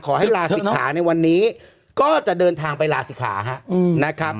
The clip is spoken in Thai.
ขอให้ลาศิษฐาในวันนี้ก็จะเดินทางไปลาศิษฐาฮะอืมนะครับ